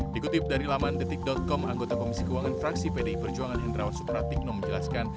dikutip dari laman detik com anggota komisi keuangan fraksi pdi perjuangan hendrawan supratikno menjelaskan